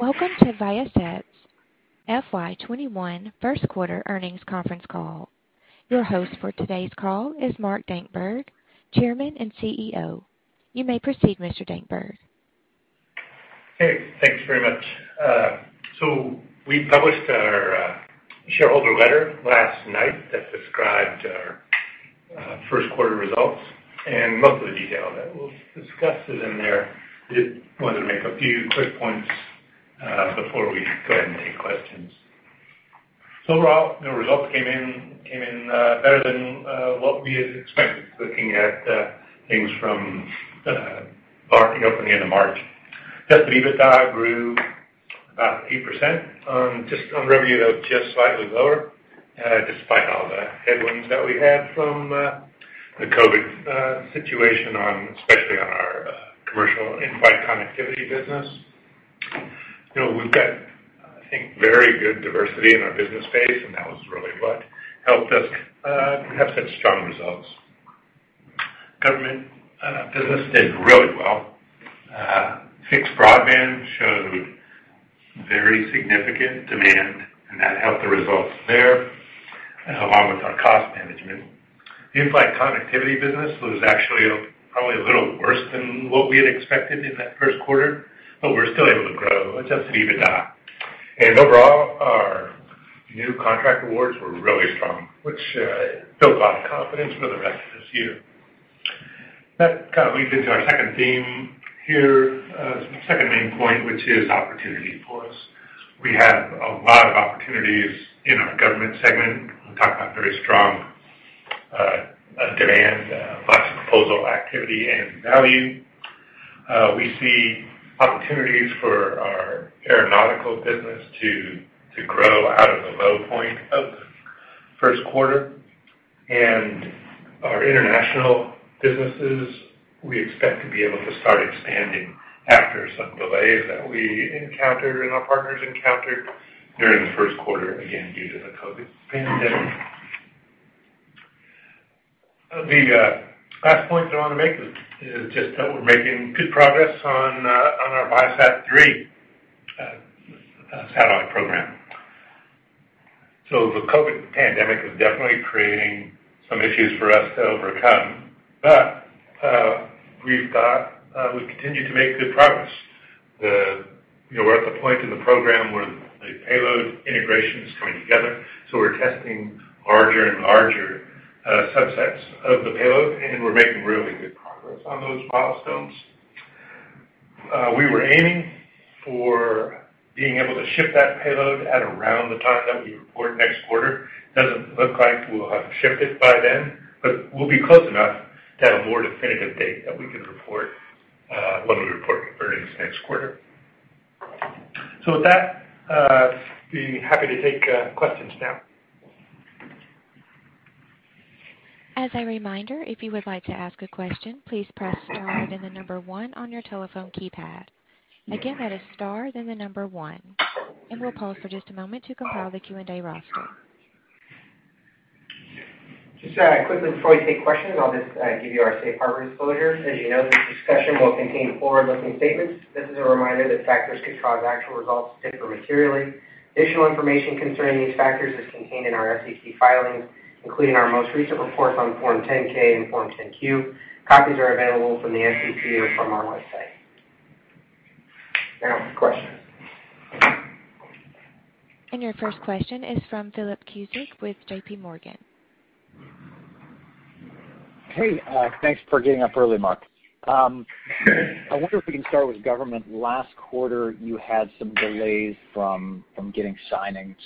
Welcome to Viasat's FY 2021 first quarter earnings conference call. Your host for today's call is Mark Dankberg, Chairman and CEO. You may proceed, Mr. Dankberg. Okay, thanks very much. We published our shareholder letter last night that described our first quarter results and most of the detail that we'll discuss is in there. I just wanted to make a few quick points before we go ahead and take questions. Overall, the results came in better than what we had expected looking at things from back in the end of March. Adjusted EBITDA grew about 8% on revenue that was just slightly lower, despite all the headwinds that we had from the COVID situation, especially on our commercial in-flight connectivity business. We've got, I think, very good diversity in our business base, and that was really what helped us have such strong results. Government business did really well. Fixed broadband showed very significant demand, and that helped the results there, along with our cost management. The in-flight connectivity business was actually probably a little worse than what we had expected in that first quarter, but we were still able to grow Adjusted EBITDA. Overall, our new contract awards were really strong, which builds a lot of confidence for the rest of this year. That kind of leads into our second theme here, second main point, which is opportunity for us. We have a lot of opportunities in our government segment. We talked about very strong demand, lots of proposal activity and value. We see opportunities for our aeronautical business to grow out of the low point of the first quarter. Our international businesses, we expect to be able to start expanding after some delays that we encountered, and our partners encountered during the first quarter, again, due to the COVID-19 pandemic. The last point that I want to make is just that we're making good progress on our ViaSat-3 satellite program. The COVID-19 pandemic is definitely creating some issues for us to overcome, but we continue to make good progress. We're at the point in the program where the payload integration is coming together, so we're testing larger and larger subsets of the payload, and we're making really good progress on those milestones. We were aiming for being able to ship that payload at around the time that we report next quarter. Doesn't look like we'll have it shipped by then, but we'll be close enough to have a more definitive date that we can report when we report earnings next quarter. With that, we'd be happy to take questions now. As a reminder, if you would like to ask a question, please press star then the number one on your telephone keypad. Again, that is star then the number one. We'll pause for just a moment to compile the Q&A roster. Just quickly before we take questions, I'll just give you our safe harbor disclosure. As you know, this discussion will contain forward-looking statements. This is a reminder that factors could cause actual results to differ materially. Additional information concerning these factors is contained in our SEC filings, including our most recent reports on Form 10-K and Form 10-Q. Copies are available from the SEC or from our website. Now, questions. Your first question is from Philip Cusick with JPMorgan. Hey, thanks for getting up early, Mark. I wonder if we can start with government. Last quarter, you had some delays from getting signings.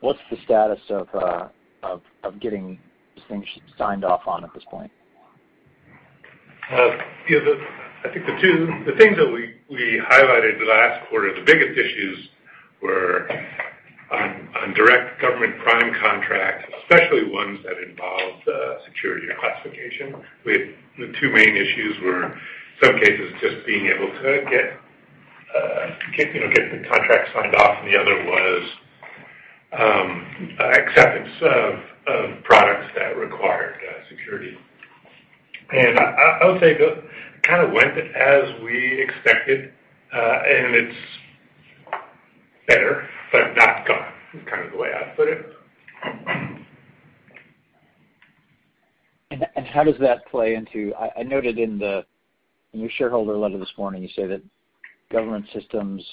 What's the status of getting things signed off on at this point? I think the things that we highlighted last quarter, the biggest issues were on direct government prime contracts, especially ones that involved security or classification. The two main issues were, in some cases, just being able to get the contract signed off, and the other was acceptance of products that required security. I would say it kind of went as we expected, and it's better, but not gone, is kind of the way I'd put it. I noted in your shareholder letter this morning, you say that Government Systems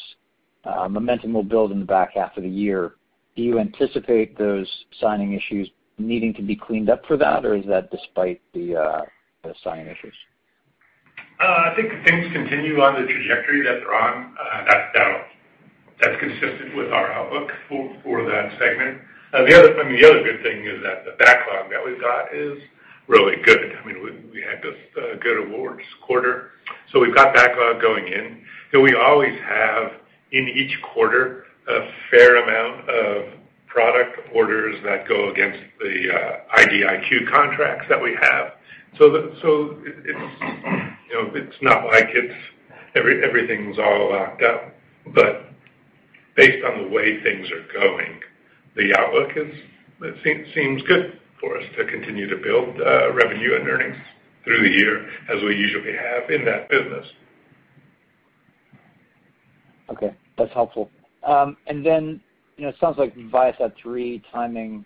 momentum will build in the back half of the year. Do you anticipate those signing issues needing to be cleaned up for that, or is that despite the signing issues? I think if things continue on the trajectory that they're on, that's consistent with our outlook for that segment. The other good thing is that the backlog that we've got is really good. We had a good awards quarter. We've got backlog going in, and we always have, in each quarter, a fair amount of product orders that go against the IDIQ contracts that we have. It's not like everything's all locked up. Based on the way things are going, the outlook seems good for us to continue to build revenue and earnings through the year as we usually have in that business. Okay. That's helpful. It sounds like ViaSat-3 timing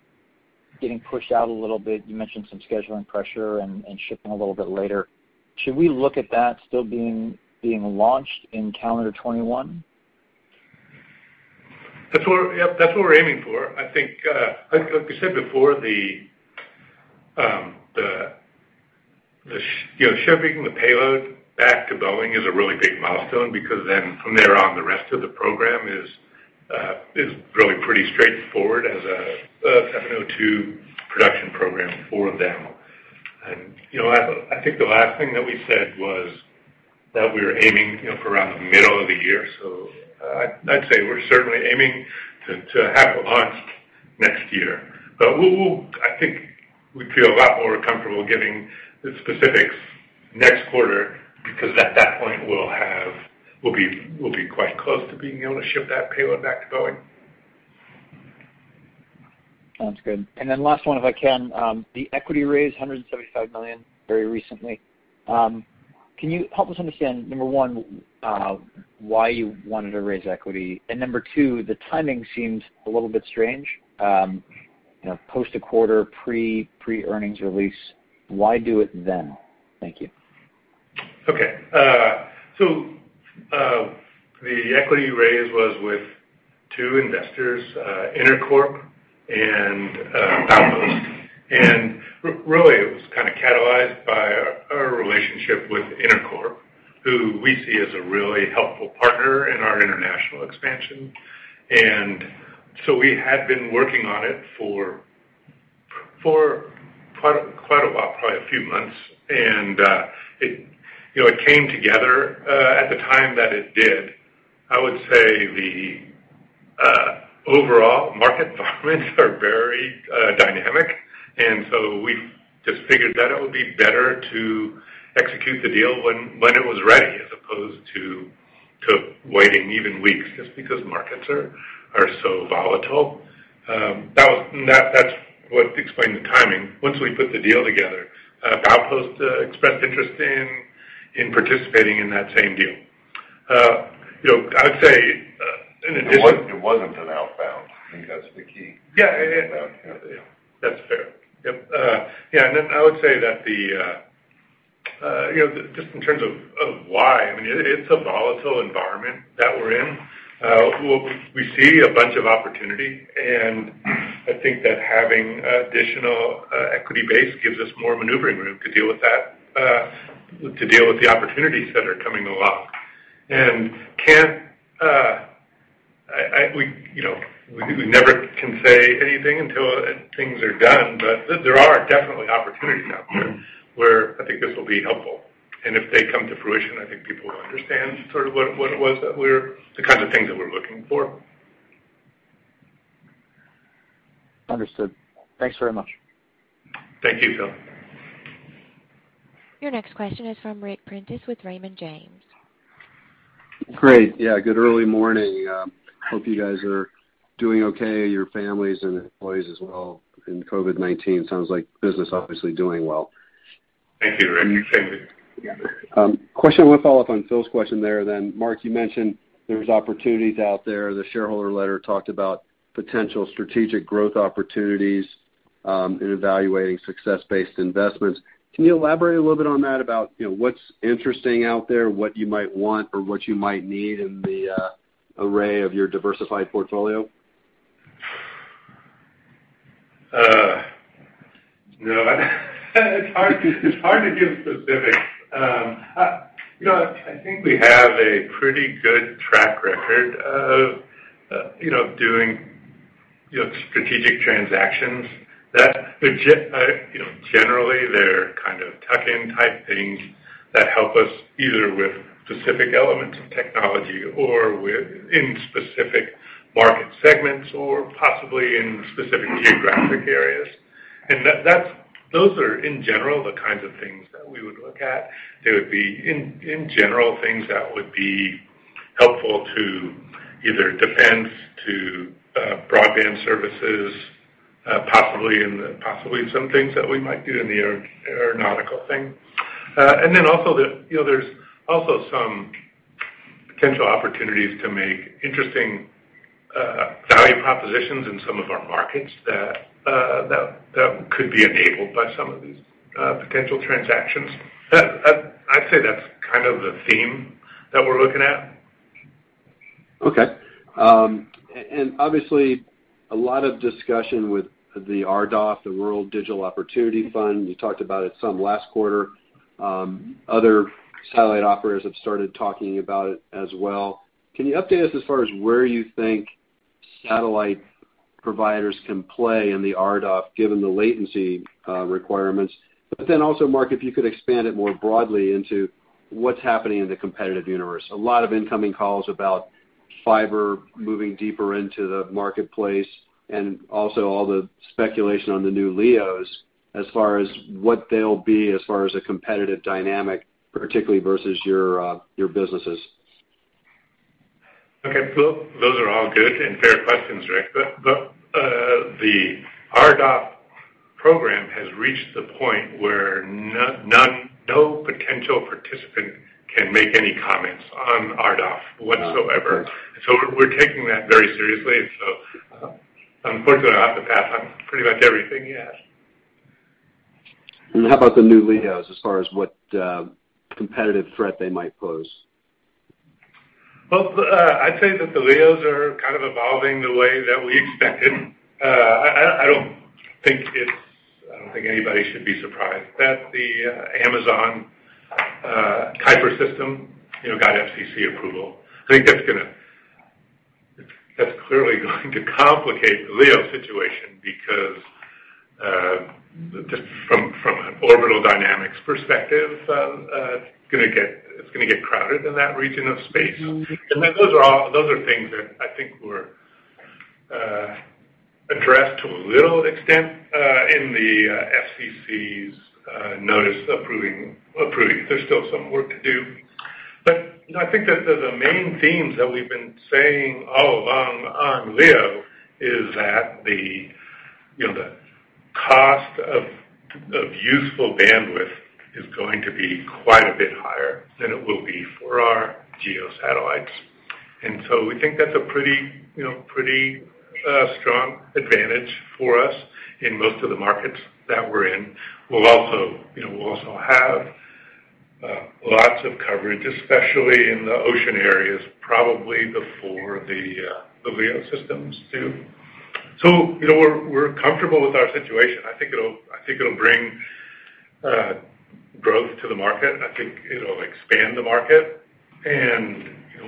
getting pushed out a little bit. You mentioned some scheduling pressure and shipping a little bit later. Should we look at that still being launched in calendar 2021? Yes, that's what we're aiming for. I think, like we said before, shipping the payload back to Boeing is a really big milestone because then from there on, the rest of the program is really pretty straightforward as a 7O2 production program for them. I think the last thing that we said was that we were aiming for around the middle of the year. I'd say we're certainly aiming to have it launched next year. I think we'd feel a lot more comfortable giving the specifics next quarter because at that point, we'll be quite close to being able to ship that payload back to Boeing. Sounds good. Last one, if I can, the equity raise, $175 million very recently. Can you help us understand, number one, why you wanted to raise equity? Number two, the timing seems a little bit strange. Post a quarter, pre-earnings release. Why do it then? Thank you. Okay. The equity raise was with two investors, Intercorp and Baupost. Really, it was kind of catalyzed by our relationship with Intercorp, who we see as a really helpful partner in our international expansion. We had been working on it for quite a while, probably a few months. It came together at the time that it did. I would say the overall market environments are very dynamic, and so we just figured that it would be better to execute the deal when it was ready as opposed to waiting even weeks just because markets are so volatile. That's what explained the timing. Once we put the deal together, Baupost expressed interest in participating in that same deal. I would say it wasn't an outbound. I think that's the key. Outbound. That's fair. Yep. I would say that just in terms of why, it's a volatile environment that we're in. We see a bunch of opportunity, I think that having additional equity base gives us more maneuvering room to deal with the opportunities that are coming along. We never can say anything until things are done, but there are definitely opportunities out there where I think this will be helpful. If they come to fruition, I think people will understand sort of what it was, the kind of things that we're looking for. Understood. Thanks very much. Thank you, Philip. Your next question is from Ric Prentiss with Raymond James. Great. Good early morning. Hope you guys are doing okay, your families and employees as well in COVID-19. Sounds like business obviously doing well. Thank you, Ric. Same here. I want to follow up on Philip's question there. Mark, you mentioned there's opportunities out there. The shareholder letter talked about potential strategic growth opportunities in evaluating success-based investments. Can you elaborate a little bit on that about what's interesting out there, what you might want or what you might need in the array of your diversified portfolio? It's hard to give specifics. I think we have a pretty good track record of doing strategic transactions. Generally, they're kind of tuck-in type things that help us either with specific elements of technology or in specific market segments or possibly in specific geographic areas. Those are in general the kinds of things that we would look at. They would be, in general, things that would be helpful to either defense, to broadband services, possibly some things that we might do in the aeronautical thing. Then there's also some potential opportunities to make interesting value propositions in some of our markets that could be enabled by some of these potential transactions. I'd say that's kind of the theme that we're looking at. Okay. Obviously, a lot of discussion with the RDOF, the Rural Digital Opportunity Fund. You talked about it some last quarter. Other satellite operators have started talking about it as well. Can you update us as far as where you think satellite providers can play in the RDOF given the latency requirements? Also, Mark, if you could expand it more broadly into what's happening in the competitive universe. A lot of incoming calls about fiber moving deeper into the marketplace and also all the speculation on the new LEOs as far as what they'll be as far as a competitive dynamic, particularly versus your businesses. Okay. Those are all good and fair questions, Ric. The RDOF program has reached the point where no potential participant can make any comments on RDOF whatsoever. We're taking that very seriously. Unfortunately, I'll have to pass on pretty much everything you asked. How about the new LEOs, as far as what competitive threat they might pose? Well, I'd say that the LEOs are kind of evolving the way that we expected. I don't think anybody should be surprised that the Amazon Kuiper system got FCC approval. I think that's clearly going to complicate the LEO situation, because just from an orbital dynamics perspective, it's going to get crowded in that region of space. Those are things that I think were addressed to a little extent in the FCC's notice approving. There's still some work to do. I think that the main themes that we've been saying all along on LEO is that the cost of useful bandwidth is going to be quite a bit higher than it will be for our geo satellites. We think that's a pretty strong advantage for us in most of the markets that we're in. We'll also have lots of coverage, especially in the ocean areas, probably before the LEO systems do. We're comfortable with our situation. I think it'll bring growth to the market, and I think it'll expand the market.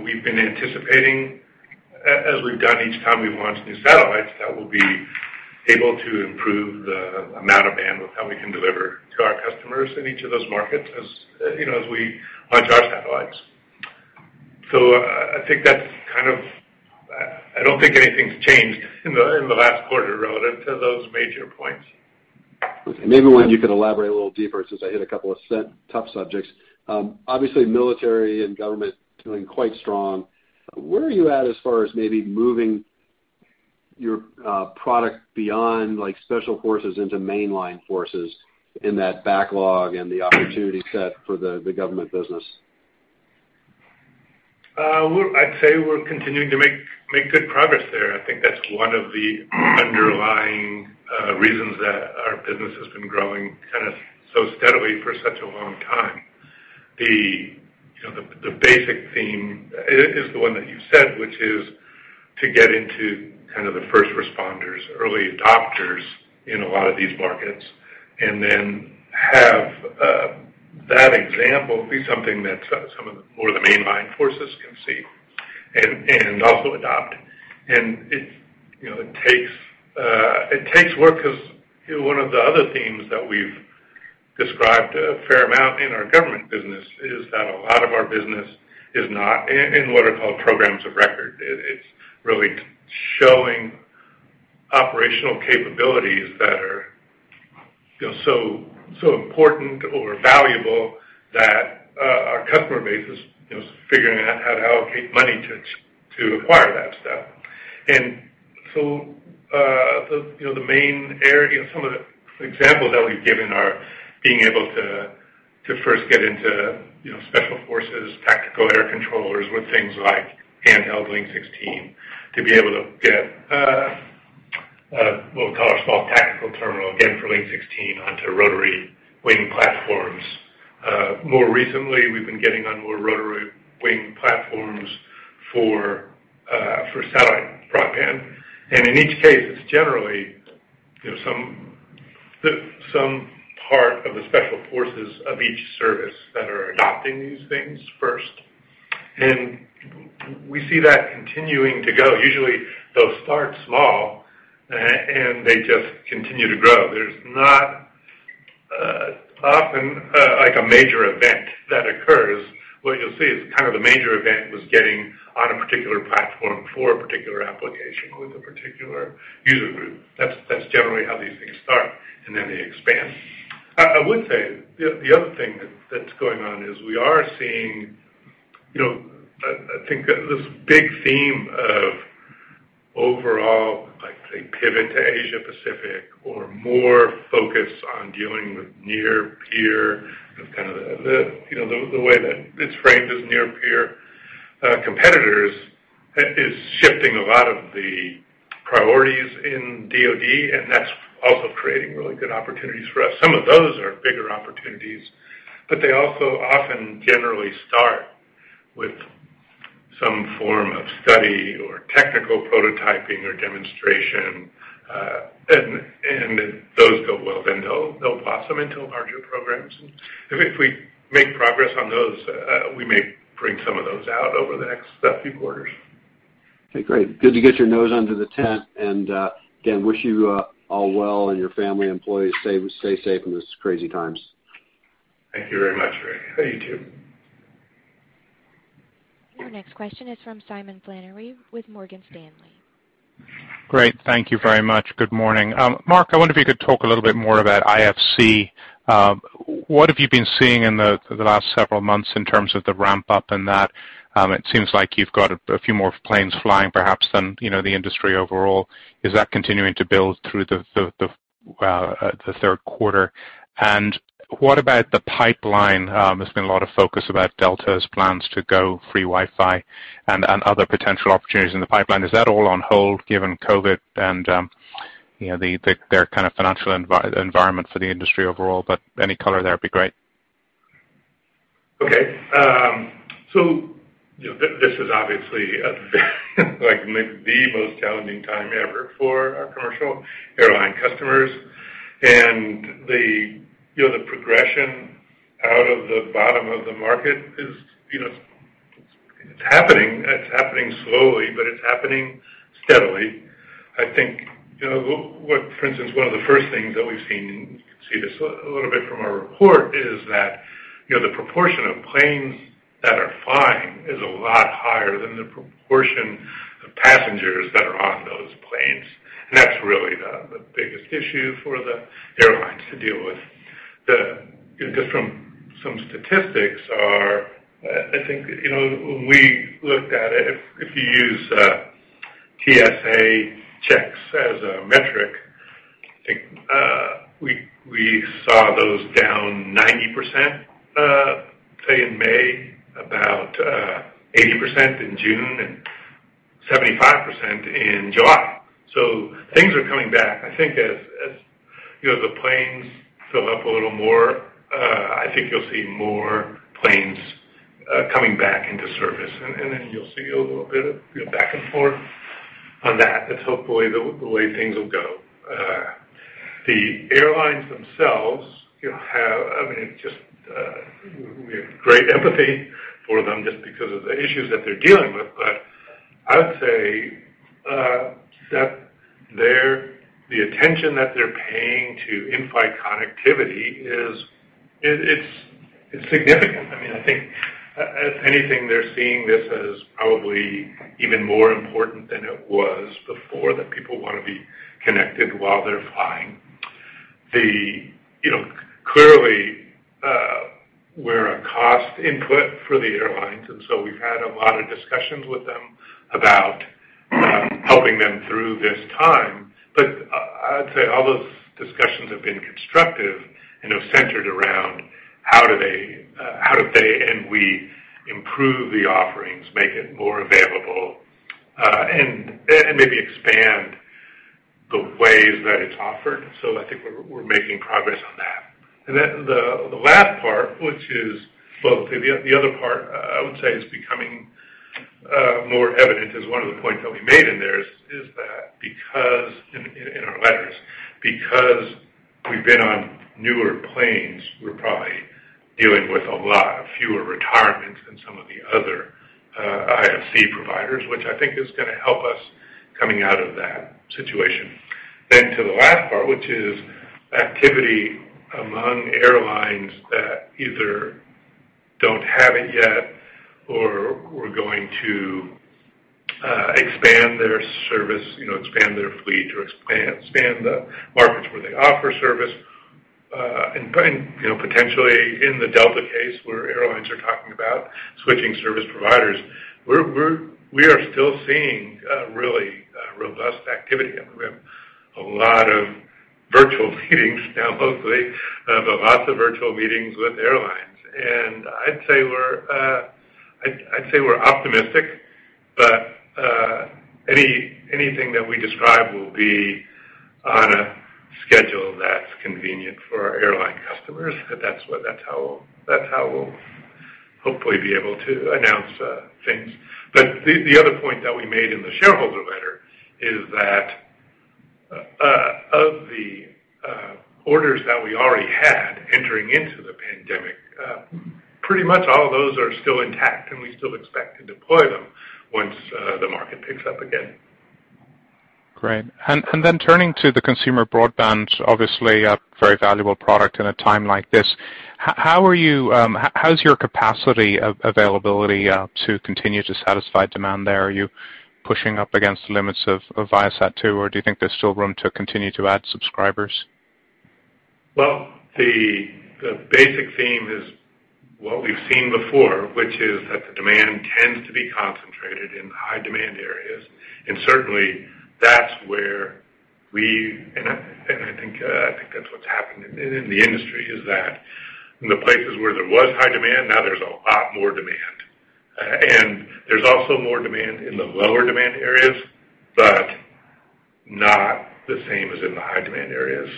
We've been anticipating, as we've done each time we've launched new satellites, that we'll be able to improve the amount of bandwidth that we can deliver to our customers in each of those markets, as we launch our satellites. I don't think anything's changed in the last quarter relative to those major points. Okay. Maybe one you could elaborate a little deeper, since I hit a couple of tough subjects. Obviously, military and government doing quite strong. Where are you at as far as maybe moving your product beyond Special Forces into mainline forces in that backlog and the opportunity set for the government business? I'd say we're continuing to make good progress there. I think that's one of the underlying reasons that our business has been growing kind of so steadily for such a long time. The basic theme is the one that you said, which is to get into kind of the first responders, early adopters in a lot of these markets, and then have that example be something that some of the more of the mainline forces can see and also adopt. It takes work, because one of the other themes that we've described a fair amount in our government business is that a lot of our business is not in what are called programs of record. It's really showing operational capabilities that are so important or valuable that our customer base is figuring out how to allocate money to acquire that stuff. Some of the examples that we've given are being able to first get into Special Forces, tactical air controllers with things like handheld Link 16, to be able to get what we call our small tactical terminal, again, for Link 16, onto rotary wing platforms. More recently, we've been getting on more rotary wing platforms for satellite broadband. In each case, it's generally some part of the Special Forces of each service that are adopting these things first, and we see that continuing to go. Usually, those start small, and they just continue to grow. There's not often a major event that occurs. What you'll see is kind of the major event was getting on a particular platform for a particular application with a particular user group. That's generally how these things start, and then they expand. I would say, the other thing that's going on is we are seeing, I think, this big theme of overall, I'd say, pivot to Asia-Pacific, or more focus on dealing with near-peer, kind of the way that it's framed as near-peer competitors, is shifting a lot of the priorities in DoD, and that's also creating really good opportunities for us. Some of those are bigger opportunities, but they also often generally start with some form of study or technical prototyping or demonstration. If those go well, then they'll blossom into larger programs. If we make progress on those, we may bring some of those out over the next few quarters. Okay, great. Good to get your nose under the tent, and again, wish you all well, and your family, employees, stay safe in this crazy times. Thank you very much, Ric. You too. Your next question is from Simon Flannery with Morgan Stanley. Great. Thank you very much. Good morning. Mark, I wonder if you could talk a little bit more about IFC. What have you been seeing in the last several months in terms of the ramp-up in that? It seems like you've got a few more planes flying, perhaps, than the industry overall. Is that continuing to build through the third quarter? What about the pipeline? There's been a lot of focus about Delta's plans to go free Wi-Fi and other potential opportunities in the pipeline. Is that all on hold given COVID and their kind of financial environment for the industry overall? Any color there would be great. Okay. This is obviously the most challenging time ever for our commercial airline customers. The progression out of the bottom of the market is happening. It's happening slowly, but it's happening steadily. I think, for instance, one of the first things that we've seen, you can see this a little bit from our report, is that the proportion of planes that are flying is a lot higher than the proportion of passengers that are on those planes. That's really the biggest issue for the airlines to deal with. Some statistics are, I think, when we looked at it, if you use TSA checks as a metric, I think we saw those down 90%, say, in May, about 80% in June, and 75% in July. Things are coming back. I think as the planes fill up a little more, I think you'll see more planes coming back into service, and then you'll see a little bit of back and forth on that. That's hopefully the way things will go. The airlines themselves, we have great empathy for them just because of the issues that they're dealing with. I would say that the attention that they're paying to in-flight connectivity is significant. I think, if anything, they're seeing this as probably even more important than it was before, that people want to be connected while they're flying. Clearly, we're a cost input for the airlines, and so we've had a lot of discussions with them about helping them through this time. I'd say all those discussions have been constructive and have centered around how do they, and we, improve the offerings, make it more available, and maybe expand the ways that it's offered. I think we're making progress on that. The other part I would say is becoming more evident is one of the points that we made in there is that because, in our letter, because we've been on newer planes, we're probably dealing with a lot fewer retirements than some of the other IFC providers, which I think is going to help us coming out of that situation. To the last part, which is activity among airlines that either don't have it yet or were going to expand their service, expand their fleet, or expand the markets where they offer service, and potentially in the Delta case, where airlines are talking about switching service providers. We are still seeing really robust activity, and we have a lot of virtual meetings now, mostly, but lots of virtual meetings with airlines. I'd say we're optimistic, but anything that we describe will be on a schedule that's convenient for our airline customers. That's how we'll hopefully be able to announce things. The other point that we made in the shareholder letter is that of the orders that we already had entering into the pandemic, pretty much all of those are still intact, and we still expect to deploy them once the market picks up again. Great. Turning to the consumer broadband, obviously a very valuable product in a time like this. How's your capacity availability to continue to satisfy demand there? Are you pushing up against the limits of ViaSat-2, or do you think there's still room to continue to add subscribers? Well, the basic theme is what we've seen before, which is that the demand tends to be concentrated in high-demand areas. I think that's what's happened in the industry is that in the places where there was high demand, now there's a lot more demand. There's also more demand in the lower demand areas, but not the same as in the high demand areas.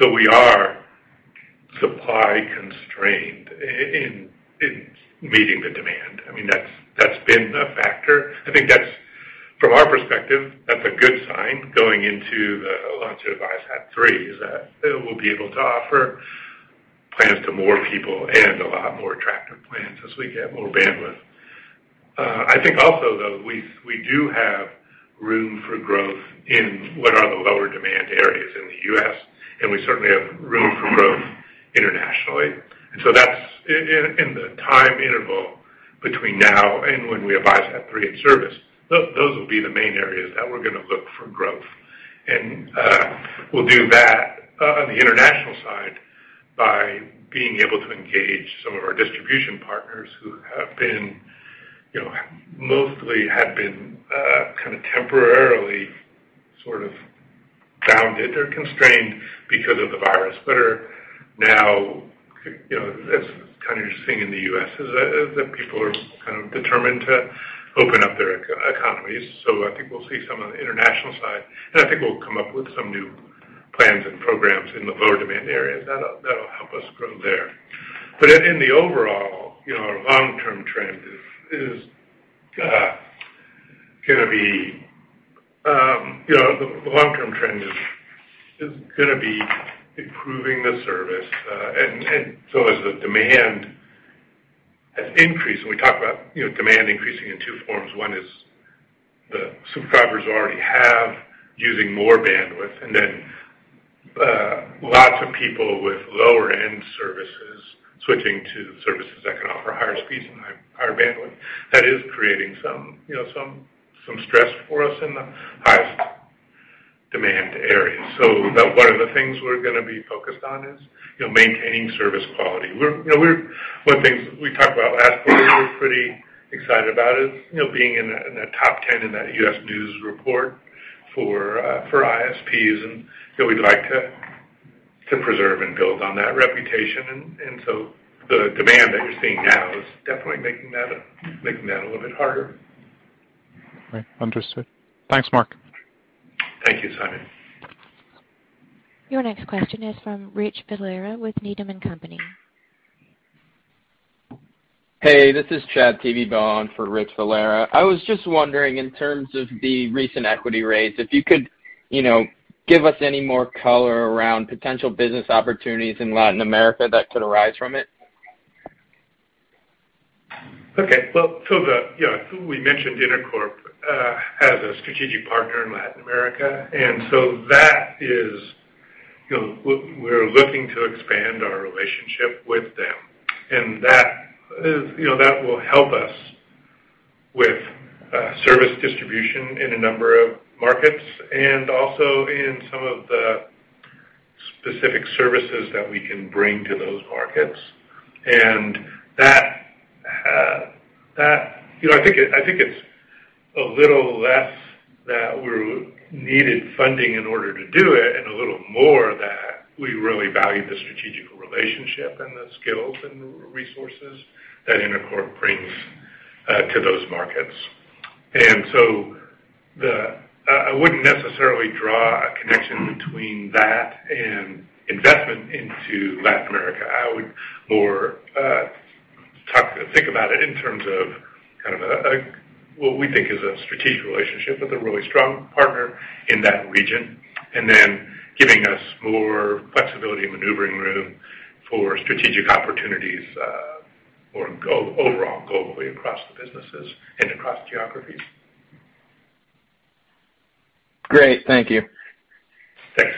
We are supply-constrained in meeting the demand. That's been a factor. I think from our perspective, that's a good sign going into the launch of ViaSat-3, is that we'll be able to offer plans to more people and a lot more attractive plans as we get more bandwidth. I think also, though, we do have room for growth in what are the lower demand areas in the U.S., and we certainly have room for growth internationally. In the time interval between now and when we have ViaSat-3 in service, those will be the main areas that we're going to look for growth. We'll do that on the international side by being able to engage some of our distribution partners who have mostly been kind of temporarily sort of bounded or constrained because of the virus, but are now, it's kind of interesting in the U.S., that people are kind of determined to open up their economies. I think we'll see some on the international side, and I think we'll come up with some new plans and programs in the lower demand areas that'll help us grow there. In the overall, the long-term trend is going to be improving the service. As the demand has increased—and we talk about demand increasing in two forms: one is the subscribers who already have using more bandwidth, and then lots of people with lower-end services switching to services that can offer higher speeds and higher bandwidth—that is creating some stress for us in the highest demand areas. One of the things we're going to be focused on is maintaining service quality. One of the things we talked about last quarter we're pretty excited about is being in the Top 10 in that U.S. News report for ISPs, and we'd like to preserve and build on that reputation. The demand that we're seeing now is definitely making that a little bit harder. Right. Understood. Thanks, Mark. Thank you, Simon. Your next question is from Rich Valera with Needham & Company. Hey, this is Chad Tevebaugh on for Rich Valera. I was just wondering, in terms of the recent equity raise, if you could give us any more color around potential business opportunities in Latin America that could arise from it? Okay. Well, we mentioned Intercorp as a strategic partner in Latin America, we're looking to expand our relationship with them. That will help us with service distribution in a number of markets and also in some of the specific services that we can bring to those markets. I think it's a little less that we needed funding in order to do it and a little more that we really value the strategic relationship and the skills and resources that Intercorp brings to those markets. I wouldn't necessarily draw a connection between that and investment into Latin America. I would more think about it in terms of what we think is a strategic relationship with a really strong partner in that region, giving us more flexibility and maneuvering room for strategic opportunities more overall, globally across the businesses and across geographies. Great. Thank you. Thanks.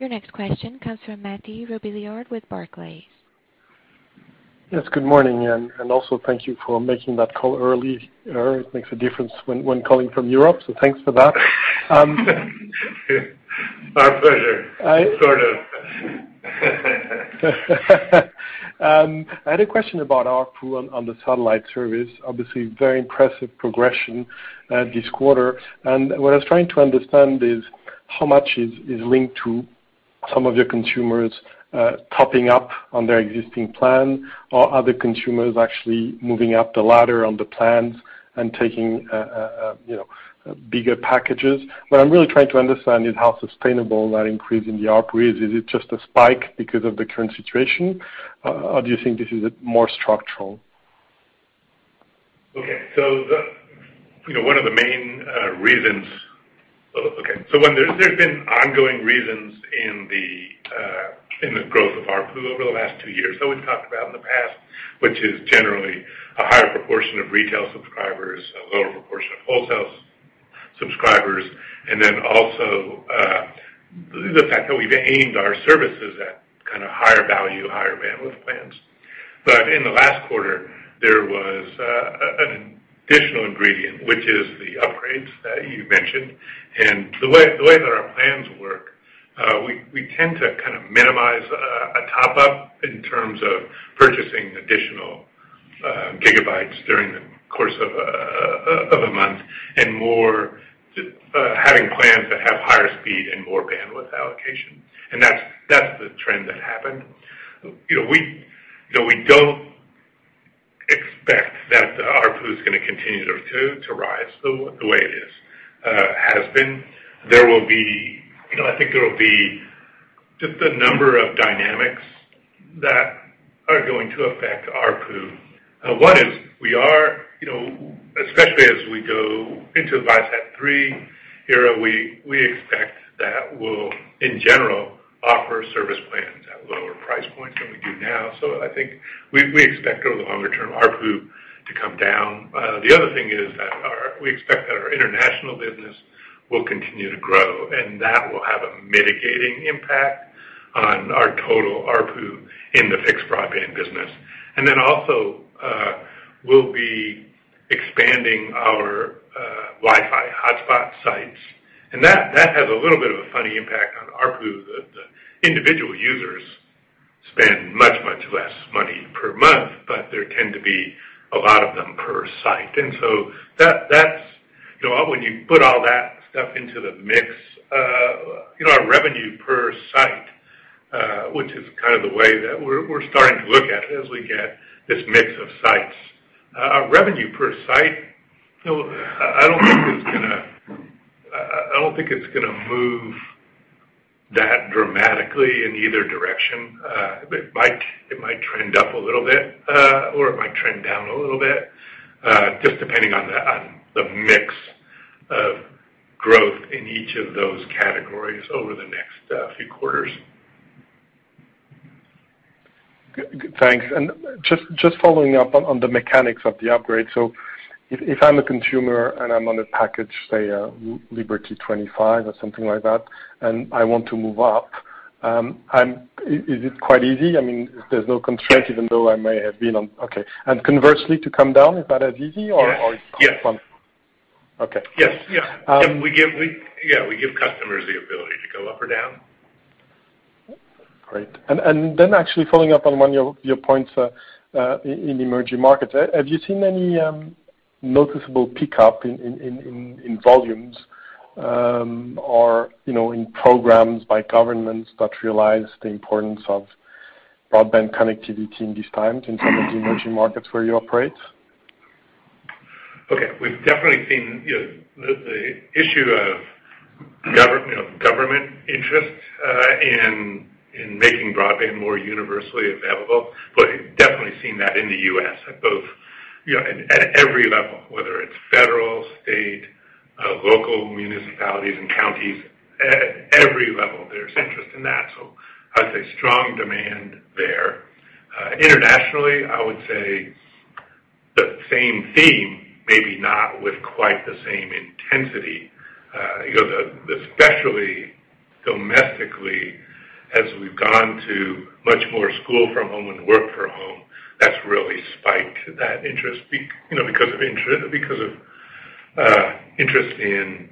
Your next question comes from Mathieu Robilliard with Barclays. Good morning. Also, thank you for making that call early. It makes a difference when calling from Europe. Thanks for that. Our pleasure. Sort of. I had a question about ARPU on the satellite service. Obviously, very impressive progression this quarter. What I was trying to understand is how much is linked to some of your consumers topping up on their existing plan, or are the consumers actually moving up the ladder on the plans and taking bigger packages? What I'm really trying to understand is how sustainable that increase in the ARPU is. Is it just a spike because of the current situation, or do you think this is more structural? There's been ongoing reasons in the growth of ARPU over the last two years that we've talked about in the past, which is generally a higher proportion of retail subscribers, a lower proportion of wholesale subscribers, also the fact that we've aimed our services at kind of higher value, higher bandwidth plans. In the last quarter, there was an additional ingredient, which is the upgrades that you mentioned. The way that our plans work, we tend to kind of minimize a top-up in terms of purchasing additional gigabytes during the course of a month, and more having plans that have higher speed and more bandwidth allocation. That's the trend that happened. We don't expect that ARPU is going to continue to rise the way it has been. I think there will be just a number of dynamics that are going to affect ARPU. One is, especially as we go into the ViaSat-3 era, we expect that we'll, in general, offer service plans at lower price points than we do now. I think we expect our longer-term ARPU to come down. The other thing is that we expect that our international business will continue to grow, and that will have a mitigating impact on our total ARPU in the fixed broadband business. Also, we'll be expanding our Wi-Fi hotspot sites. That has a little bit of a funny impact on ARPU. The individual users spend much, much less money per month, but there tend to be a lot of them per site. When you put all that stuff into the mix, our revenue per site—which is kind of the way that we're starting to look at it as we get this mix of sites—our revenue per site, I don't think it's going to move that dramatically in either direction. It might trend up a little bit, or it might trend down a little bit, just depending on the mix of growth in each of those categories over the next few quarters. Thanks. Just following up on the mechanics of the upgrade. If I'm a consumer and I'm on a package, say Liberty 25 or something like that, and I want to move up, is it quite easy? I mean, there's no constraint even though I may have been on... Conversely to come down, is that as easy? Yes, we give customers the ability to go up or down. Great. Actually following up on one of your points in emerging markets, have you seen any noticeable pickup in volumes or in programs by governments that realize the importance of broadband connectivity in these times in some of the emerging markets where you operate? Okay. We've definitely seen the issue of government interest in making broadband more universally available, definitely seen that in the U.S. at every level, whether it's federal, state, local municipalities, and counties. At every level, there's interest in that. I'd say strong demand there. Internationally, I would say the same theme, maybe not with quite the same intensity. Especially domestically, as we've gone to much more school from home and work from home, that's really spiked that interest because of interest in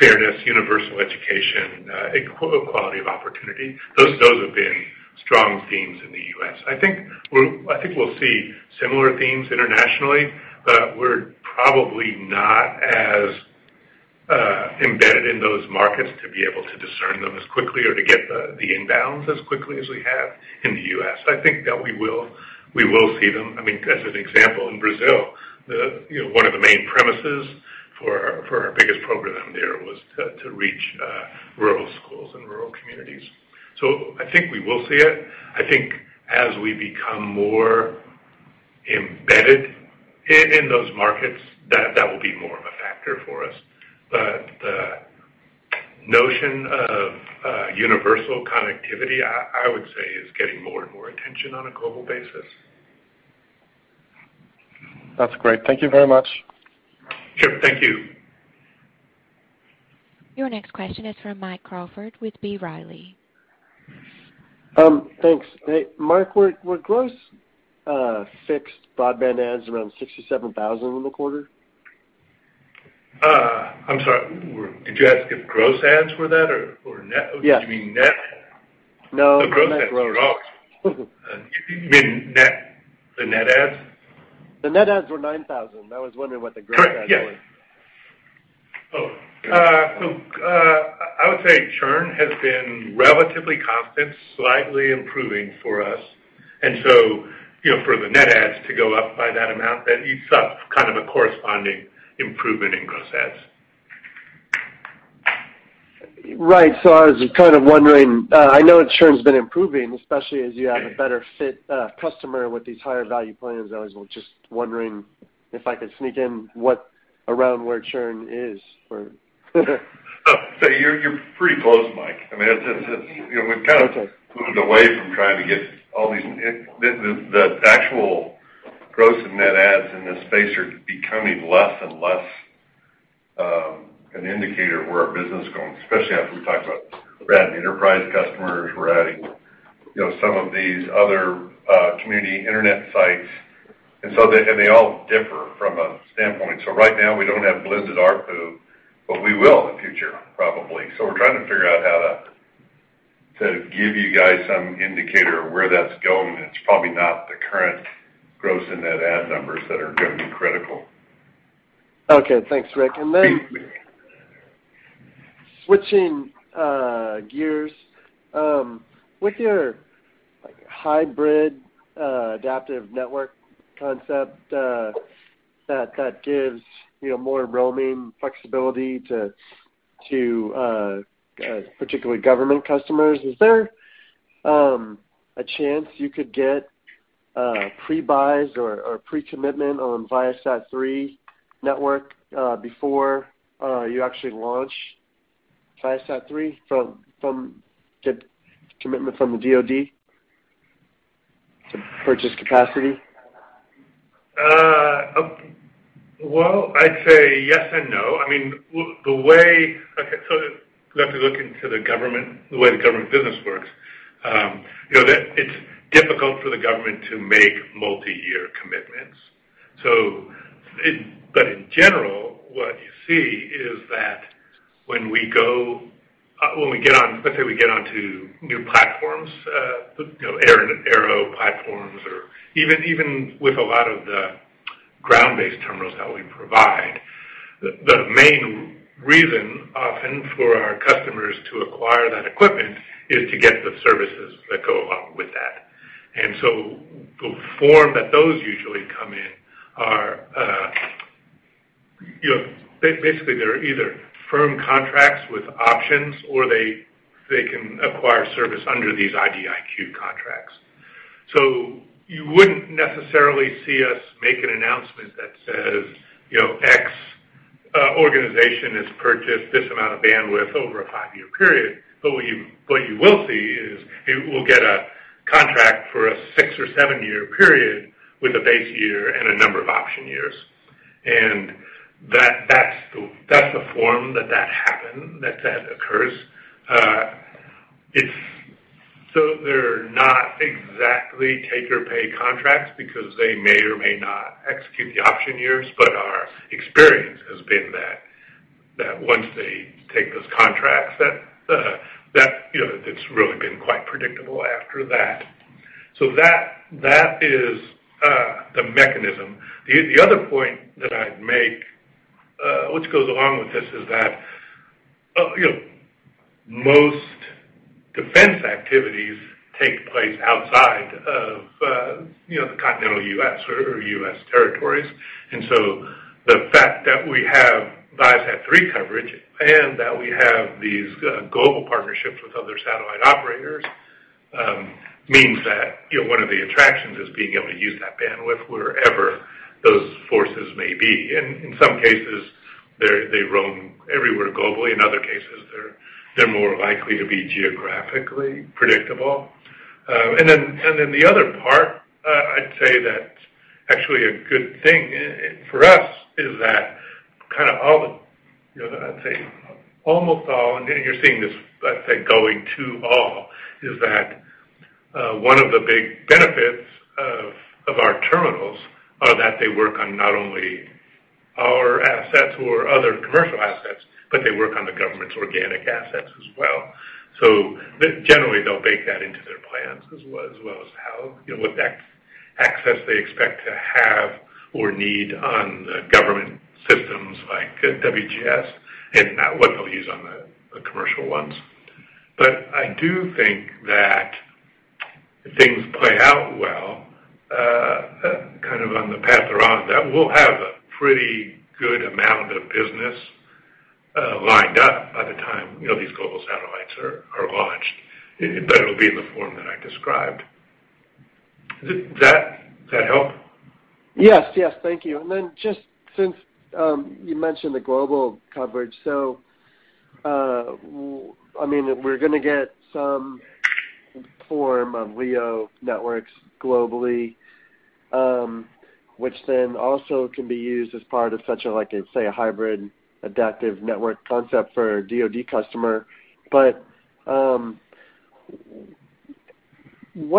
fairness, universal education, equality of opportunity. Those have been strong themes in the U.S. I think we'll see similar themes internationally, we're probably not as embedded in those markets to be able to discern them as quickly or to get the inbounds as quickly as we have in the U.S. I think that we will see them. I mean, as an example, in Brazil, one of the main premises for our biggest program there was to reach rural schools and rural communities. I think we will see it. I think as we become more embedded in those markets, that will be more of a factor for us. The notion of universal connectivity, I would say, is getting more and more attention on a global basis. That's great. Thank you very much. Sure. Thank you. Your next question is from Mike Crawford with B. Riley. Thanks. Hey, Mark, were gross fixed broadband adds around 67,000 in the quarter? I'm sorry. Did you ask if gross adds were that or net? Yes. Did you mean net? No. Do you mean the net adds? The net adds were 9,000. I was wondering what the gross adds were. I would say churn has been relatively constant, slightly improving for us. For the net adds to go up by that amount, you saw kind of a corresponding improvement in gross adds. Right. I was kind of wondering, I know churn's been improving, especially as you have a better fit customer with these higher value plans. I was just wondering if I could sneak in around where churn is for? You're pretty close, Mike. We've kind of moved away from trying to get all these. The actual gross and net adds in this space are becoming less and less an indicator of where our business is going, especially after we talked about we're adding enterprise customers, we're adding some of these other community internet sites. They all differ from a standpoint. Right now we don't have blended ARPU, but we will in the future, probably. We're trying to figure out how to give you guys some indicator of where that's going, and it's probably not the current gross and net add numbers that are going to be critical. Okay. Thanks, Mark. Switching gears. With your Hybrid Adaptive Network concept that gives more roaming flexibility to particularly government customers, is there a chance you could get pre-buys or pre-commitment on ViaSat-3 network before you actually launch ViaSat-3 from the commitment from the DoD to purchase capacity? Well, I'd say yes and no. You have to look into the way the government business works. It's difficult for the government to make multi-year commitments. In general, what you see is that when we get onto new platforms, aero platforms, or even with a lot of the ground-based terminals that we provide, the main reason often for our customers to acquire that equipment is to get the services that go along with that. The form that those usually come in are, basically they're either firm contracts with options, or they can acquire service under these IDIQ contracts. You wouldn't necessarily see us make an announcement that says, X organization has purchased this amount of bandwidth over a five-year period. What you will see is we'll get a contract for a six or seven-year period with a base year and a number of option years. That's the form that that occurs. They're not exactly take or pay contracts because they may or may not execute the option years, but our experience has been that once they take those contracts, it's really been quite predictable after that. That is the mechanism. The other point that I'd make, which goes along with this, is that most defense activities take place outside of the continental U.S. or U.S. territories. The fact that we have Viasat-3 coverage and that we have these global partnerships with other satellite operators, means that one of the attractions is being able to use that bandwidth wherever those forces may be. In some cases, they roam everywhere globally. In other cases, they're more likely to be geographically predictable. The other part I'd say that's actually a good thing for us is that kind of all the, I'd say almost all, and you're seeing this, let's say, going to all, is that one of the big benefits of our terminals are that they work on not only our assets or other commercial assets, but they work on the government's organic assets as well. Generally, they'll bake that into their plans as well as what access they expect to have or need on the government systems like WGS, and what they'll use on the commercial ones. I do think that if things play out well, kind of on the path they're on, that we'll have a pretty good amount of business lined up by the time these global satellites are launched. It'll be in the form that I described. Does that help? Yes. Thank you. Since you mentioned the global coverage, we're going to get some form of LEO networks globally, which also can be used as part of such a, let's say, a Hybrid Adaptive Network concept for DoD customer. What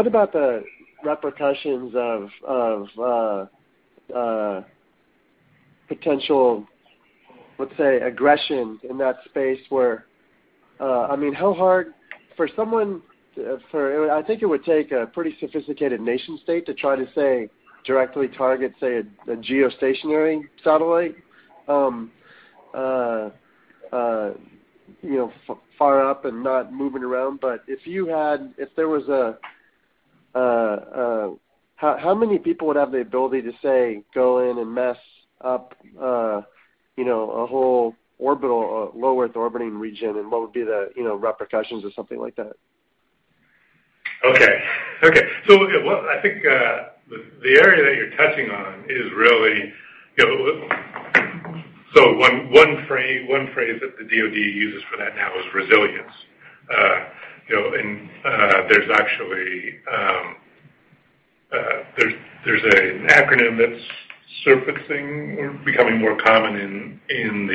about the repercussions of potential aggression in that space where, I think it would take a pretty sophisticated nation state to try to, say, directly target, say, a geostationary satellite far up and not moving around? How many people would have the ability to, say, go in and mess up a whole low-Earth orbiting region, and what would be the repercussions of something like that? Okay. I think the area that you're touching on is really—One phrase that the DoD uses for that now is resilience. There's an acronym that's surfacing or becoming more common in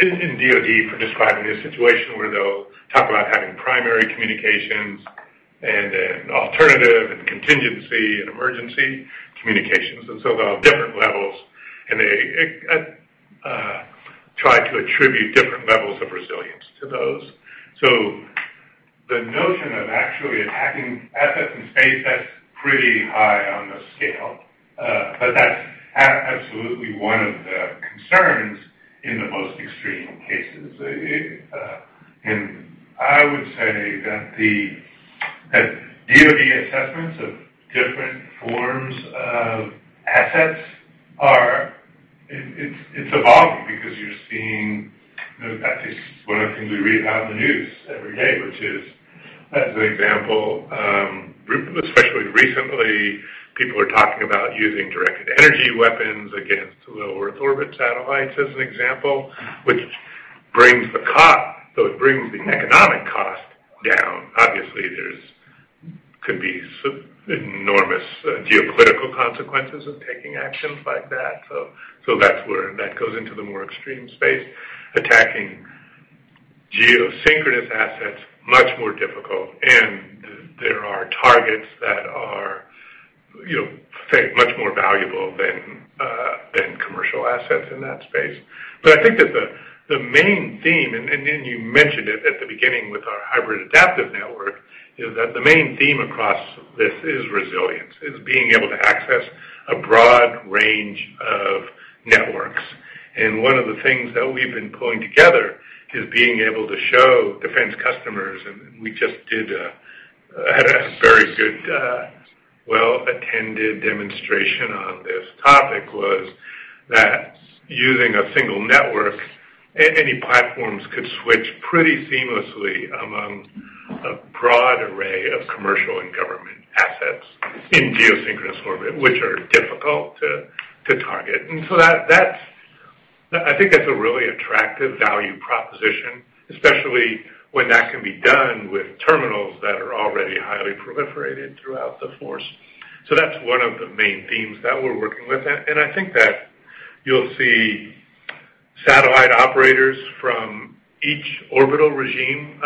DoD for describing a situation where they'll talk about having primary communications and then alternative and contingency and emergency communications. They all have different levels, and they try to attribute different levels of resilience to those. The notion of actually attacking assets in space, that's pretty high on the scale. That's absolutely one of the concerns in the most extreme cases. I would say that DoD assessments of different forms of assets, it's evolving because you're seeing those guys. One of the things we read about in the news every day, which is, as an example, especially recently, people are talking about using directed energy weapons against low Earth orbit satellites, as an example, which brings the economic cost down. Obviously, there could be enormous geopolitical consequences of taking actions like that. That goes into the more extreme space. Attacking geosynchronous assets, much more difficult, and there are targets that are much more valuable than commercial assets in that space. I think that the main theme, and you mentioned it at the beginning with our Hybrid Adaptive Network, is that the main theme across this is resilience. It's being able to access a broad range of networks. One of the things that we've been pulling together is being able to show defense customers, and we just had a very good, well-attended demonstration on this topic, was that using a single network, any platforms could switch pretty seamlessly among a broad array of commercial and government assets in geosynchronous orbit, which are difficult to target. I think that's a really attractive value proposition, especially when that can be done with terminals that are already highly proliferated throughout the force. That's one of the main themes that we're working with. I think that you'll see satellite operators from each orbital regime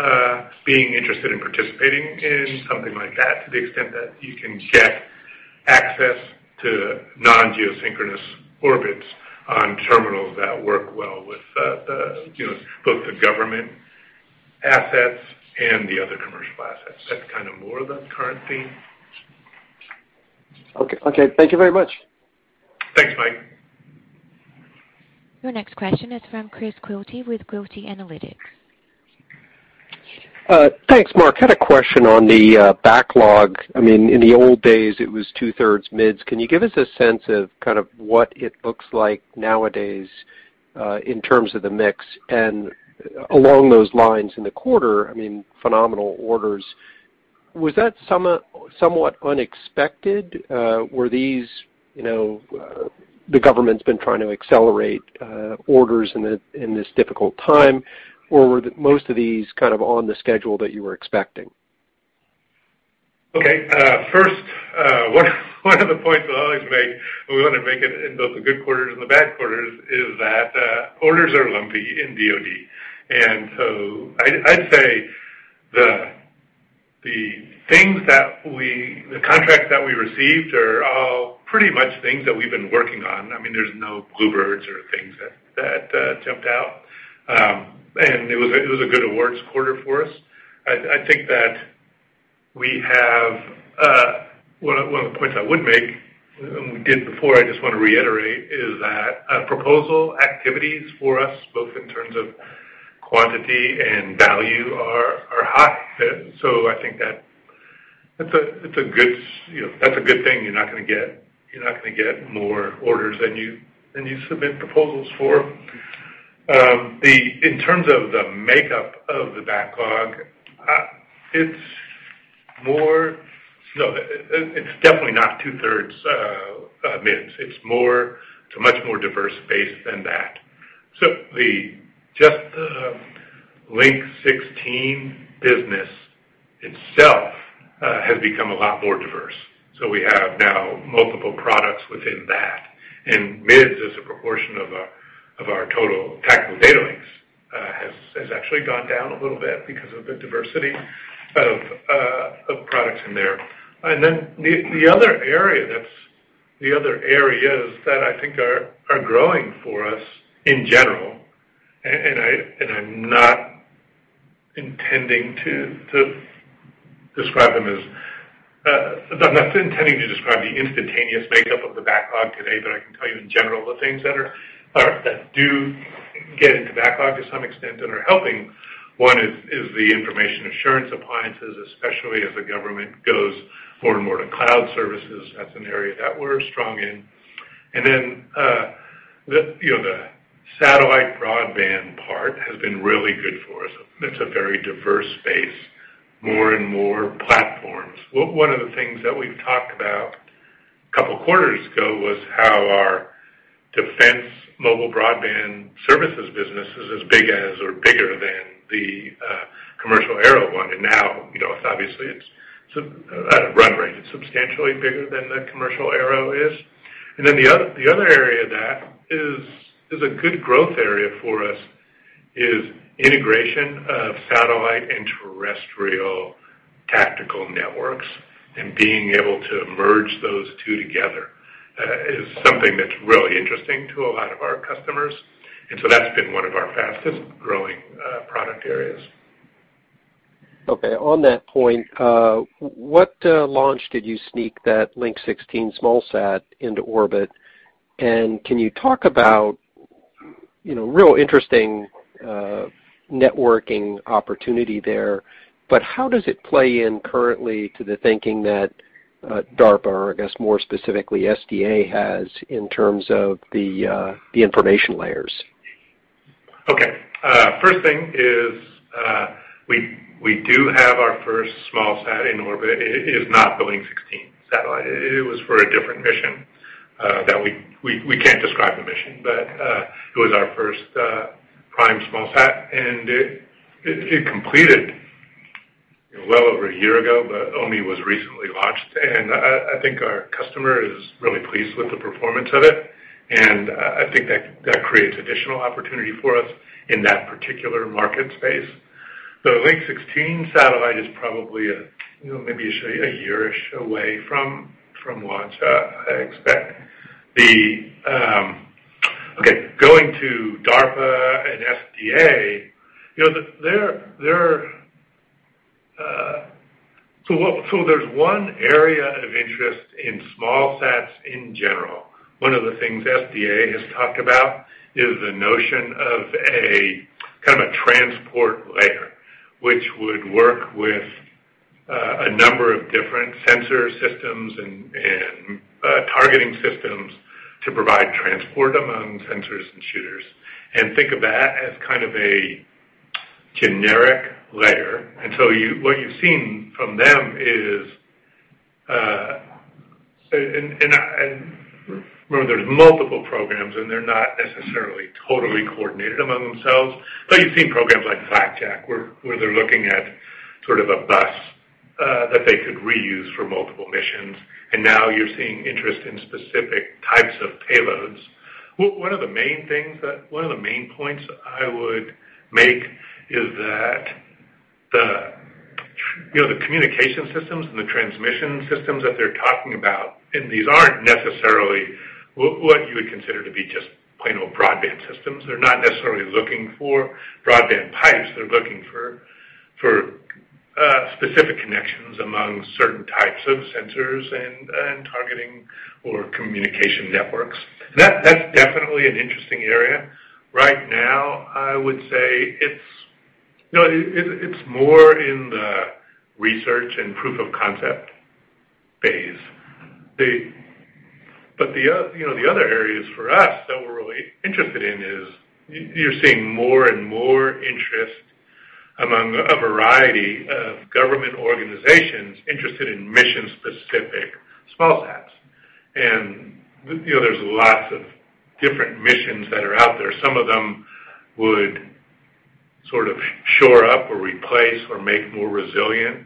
being interested in participating in something like that, to the extent that you can get access to non-geosynchronous orbits on terminals that work well with both the government assets and the other commercial assets. That's kind of more the current theme. Okay. Thank you very much. Thanks, Mike. Your next question is from Chris Quilty with Quilty Analytics. Thanks, Mark. Had a question on the backlog. In the old days, it was 2/3 MIDS. Can you give us a sense of kind of what it looks like nowadays in terms of the mix? Along those lines in the quarter, phenomenal orders. Was that somewhat unexpected? The government's been trying to accelerate orders in this difficult time, or were most of these kind of on the schedule that you were expecting? Okay. First, one of the points I'll always make, and we want to make it in both the good quarters and the bad quarters, is that orders are lumpy in DoD. I'd say the contracts that we received are all pretty much things that we've been working on. There's no bluebirds or things that jumped out. It was a good awards quarter for us. I think that one of the points I would make, and we did before, I just want to reiterate, is that proposal activities for us, both in terms of quantity and value, are high. I think that's a good thing. You're not going to get more orders than you submit proposals for. In terms of the makeup of the backlog, it's definitely not 2/3 MIDS. It's a much more diverse base than that. Just the Link 16 business itself has become a lot more diverse. We have now multiple products within that. MIDS as a proportion of our total tactical data links has actually gone down a little bit because of the diversity of products in there. The other areas that I think are growing for us in general, and I'm not intending to describe the instantaneous makeup of the backlog today, but I can tell you in general the things that do get into backlog to some extent and are helping. One is the information assurance appliances, especially as the government goes more and more to cloud services. That's an area that we're strong in. The satellite broadband part has been really good for us. It's a very diverse space. More and more platforms. One of the things that we've talked about a couple of quarters ago was how our defense mobile broadband services business is as big as or bigger than the commercial aero one. Now, obviously, it's run rate. It's substantially bigger than the commercial aero is. The other area that is a good growth area for us is integration of satellite and terrestrial tactical networks and being able to merge those two together is something that's really interesting to a lot of our customers. That's been one of our fastest-growing product areas. Okay. On that point, what launch did you sneak that Link 16 small sat into orbit? Can you talk about real interesting networking opportunity there? How does it play in currently to the thinking that DARPA, or I guess more specifically SDA, has in terms of the information layers? First thing is we do have our first small sat in orbit. It is not the Link 16 satellite. It was for a different mission. We can't describe the mission, but it was our first prime small sat, and it completed well over one year ago, but only was recently launched. I think our customer is really pleased with the performance of it, and I think that that creates additional opportunity for us in that particular market space. The Link 16 satellite is probably maybe one year-ish away from launch, I expect. Going to DARPA and SDA. There's one area of interest in small sats in general. One of the things SDA has talked about is the notion of a kind of a transport layer, which would work with a number of different sensor systems and targeting systems to provide transport among sensors and shooters. Think of that as kind of a generic layer. What you've seen from them is, remember, there's multiple programs, and they're not necessarily totally coordinated among themselves. You've seen programs like Blackjack, where they're looking at sort of a bus that they could reuse for multiple missions, and now you're seeing interest in specific types of payloads. One of the main points I would make is that the communication systems and the transmission systems that they're talking about, and these aren't necessarily what you would consider to be just plain old broadband systems. They're not necessarily looking for broadband pipes. They're looking for specific connections among certain types of sensors and targeting or communication networks. That's definitely an interesting area. Right now, I would say it's more in the research and proof of concept phase. The other areas for us that we're really interested in is you're seeing more and more interest among a variety of government organizations interested in mission-specific small sats. There's lots of different missions that are out there. Some of them would sort of shore up or replace or make more resilient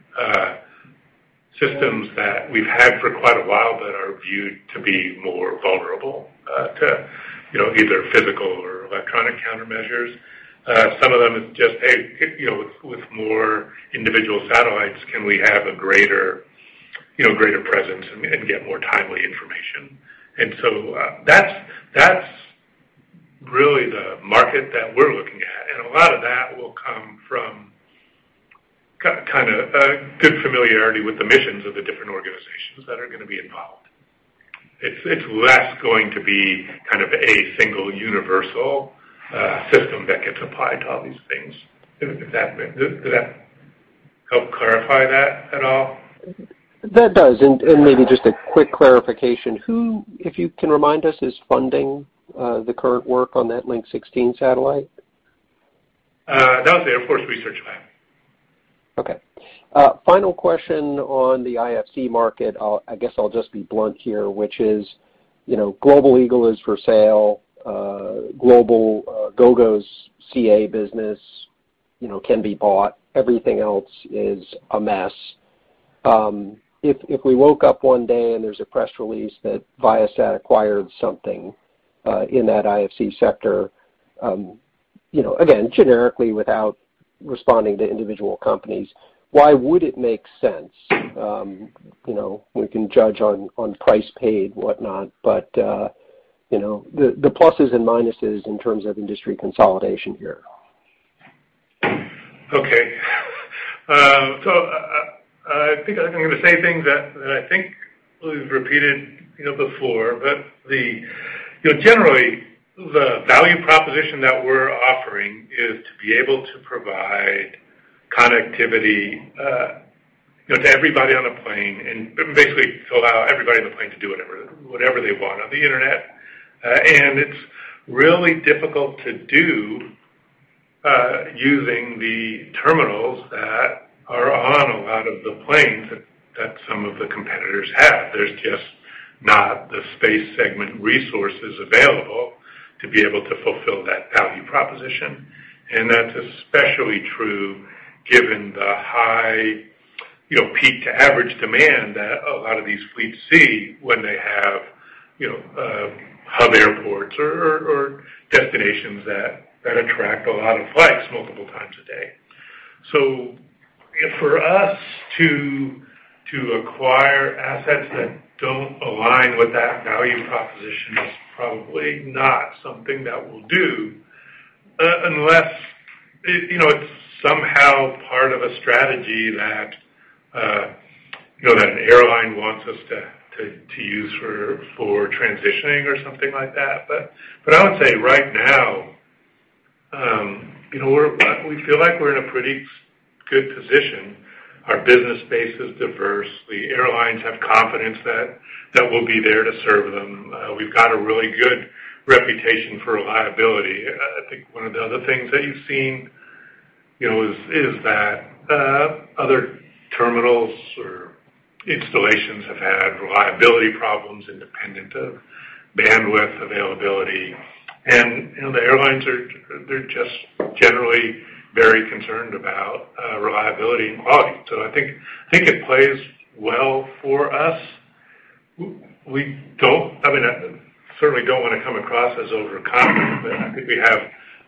systems that we've had for quite a while that are viewed to be more vulnerable to either physical or electronic countermeasures. Some of them is just, hey, with more individual satellites, can we have a greater presence and get more timely information? That's really the market that we're looking at, and a lot of that will come from kind of a good familiarity with the missions of the different organizations that are going to be involved. It's less going to be kind of a single universal system that gets applied to all these things. Did that help clarify that at all? That does. Maybe just a quick clarification, who, if you can remind us, is funding the current work on that Link 16 satellite? That was the Air Force Research Lab. Okay. Final question on the IFC market. I guess I'll just be blunt here, which is Global Eagle is for sale. Gogo's CA business can be bought. Everything else is a mess. If we woke up one day and there's a press release that Viasat acquired something in that IFC sector, again, generically, without responding to individual companies, why would it make sense? We can judge on price paid, whatnot, but the pluses and minuses in terms of industry consolidation here. I think I'm going to say things that I think we've repeated before, but generally, the value proposition that we're offering is to be able to provide connectivity to everybody on a plane and basically to allow everybody on the plane to do whatever they want on the internet. It's really difficult to do using the terminals that are on a lot of the planes that some of the competitors have. There's just not the space segment resources available to be able to fulfill that value proposition. That's especially true given the high peak to average demand that a lot of these fleets see when they have hub airports or destinations that attract a lot of flights multiple times a day. For us to acquire assets that don't align with that value proposition is probably not something that we'll do, unless it's somehow part of a strategy that an airline wants us to use for transitioning or something like that. I would say right now, we feel like we're in a pretty good position. Our business base is diverse. The airlines have confidence that we'll be there to serve them. We've got a really good reputation for reliability. I think one of the other things that you've seen is that other terminals or installations have had reliability problems independent of bandwidth availability. The airlines are just generally very concerned about reliability and quality. I think it plays well for us. We certainly don't want to come across as overconfident, but I think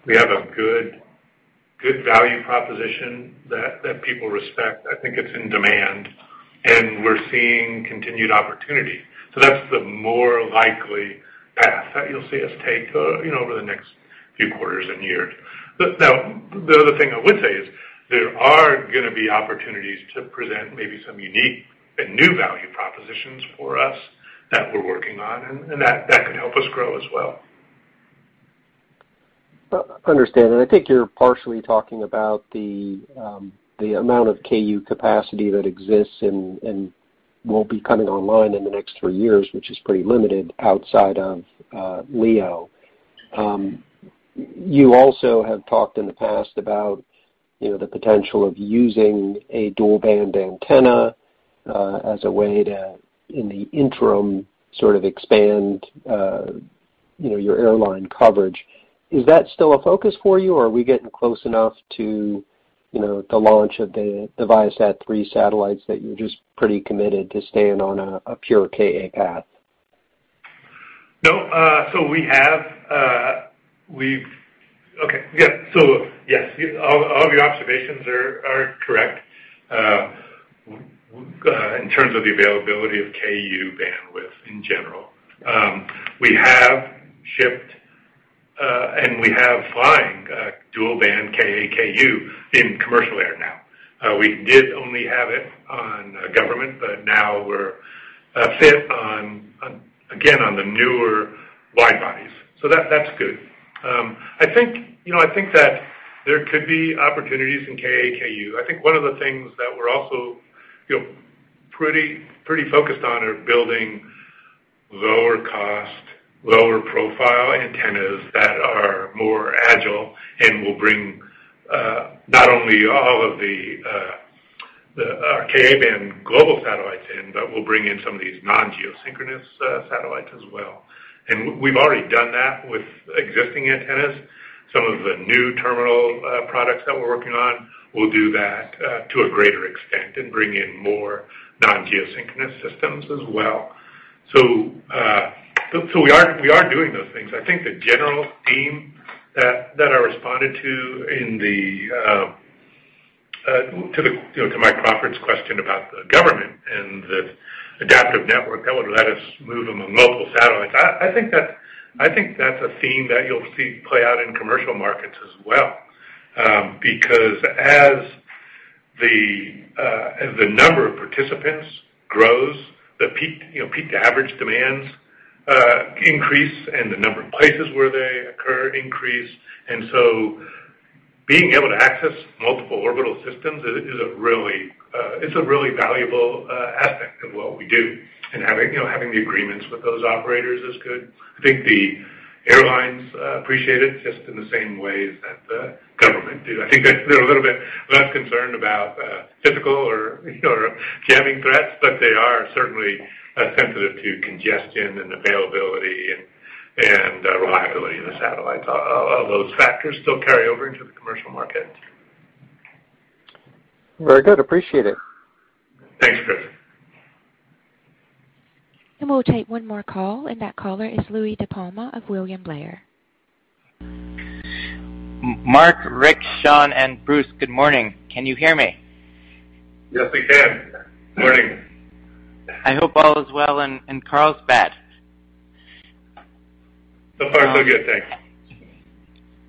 we have a good value proposition that people respect. I think it's in demand, and we're seeing continued opportunity. That's the more likely path that you'll see us take over the next few quarters and years. The other thing I would say is there are going to be opportunities to present maybe some unique and new value propositions for us that we're working on, and that could help us grow as well. Understand. I think you're partially talking about the amount of Ku capacity that exists and will be coming online in the next three years, which is pretty limited outside of LEO. You also have talked in the past about the potential of using a dual-band antenna as a way to, in the interim, sort of expand your airline coverage. Is that still a focus for you, or are we getting close enough to the launch of the ViaSat-3 satellites that you're just pretty committed to staying on a pure Ka path? All of your observations are correct in terms of the availability of Ku bandwidth in general. We have shipped, and we have flying dual-band Ka/Ku in commercial air now. We did only have it on government, but now we're fit on, again, on the newer wide-bodies. That's good. I think that there could be opportunities in Ka/Ku. I think one of the things that we're also pretty focused on are building lower cost, lower profile antennas that are more agile and will bring not only all of the Ka-band global satellites in, but will bring in some of these non-geosynchronous satellites as well. We've already done that with existing antennas. Some of the new terminal products that we're working on will do that to a greater extent and bring in more non-geosynchronous systems as well. We are doing those things. I think the general theme that I responded to Mike Crawford's question about the government and the Adaptive Network that would let us move among multiple satellites. I think that's a theme that you'll see play out in commercial markets as well, because as the number of participants grows, the peak-to-average demands increase, and the number of places where they occur increase. Being able to access multiple orbital systems, it's a really valuable aspect of what we do. Having the agreements with those operators is good. I think the airlines appreciate it just in the same ways that the government do. I think that they're a little bit less concerned about physical or jamming threats, but they are certainly sensitive to congestion and availability and reliability of the satellites. All those factors still carry over into the commercial market. Very good. Appreciate it. Thanks, Chris. We'll take one more call, and that caller is Louie DiPalma of William Blair. Mark, Rick, Shawn, and Bruce, good morning. Can you hear me? Yes, we can. Morning. I hope all is well in Carlsbad. So far, so good. Thanks.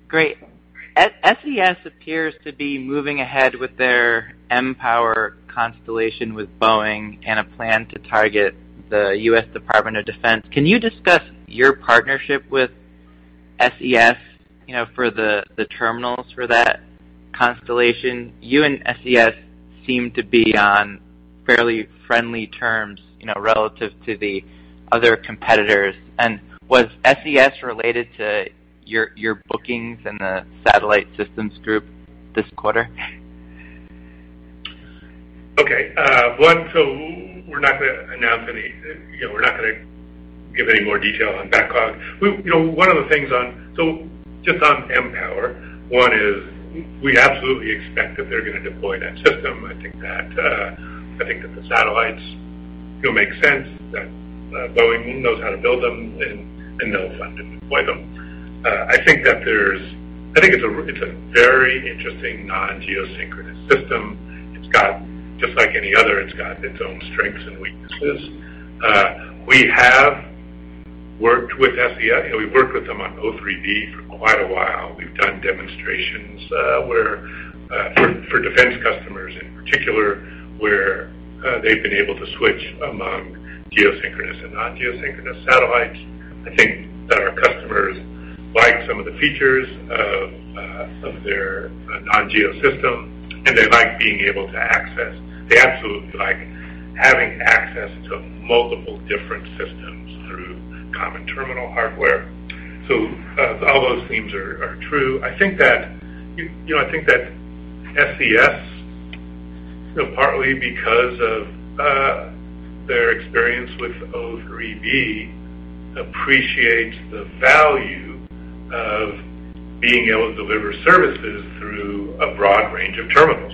Great. SES appears to be moving ahead with their mPOWER constellation with Boeing and a plan to target the U.S. Department of Defense. Can you discuss your partnership with SES for the terminals for that constellation? You and SES seem to be on fairly friendly terms relative to the other competitors. Was SES related to your bookings in the satellite systems group this quarter? One, we're not going to give any more detail on backlog. Just on mPOWER, we absolutely expect that they're going to deploy that system. The satellites make sense, that Boeing knows how to build them, and they'll fund and deploy them. It's a very interesting non-geosynchronous system. Just like any other, it's got its own strengths and weaknesses. We have worked with SES. We've worked with them on O3b for quite a while. We've done demonstrations for defense customers, in particular, where they've been able to switch among geosynchronous and non-geosynchronous satellites. Our customers like some of the features of their non-geo system, and they like being able to access. They absolutely like having access to multiple different systems through common terminal hardware. All those themes are true. I think that SES, partly because of their experience with O3b, appreciates the value of being able to deliver services through a broad range of terminals.